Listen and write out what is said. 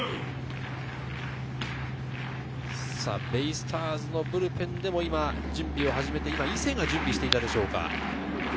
ベイスターズのブルペンでも今、準備を始めて、伊勢が準備していたでしょうか。